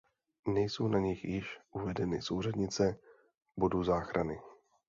Nejsou na nich již uvedeny souřadnice bodu záchrany.